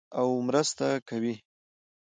او مرسته کوي.